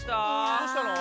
どうしたの？